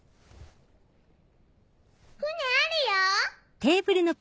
船あるよ。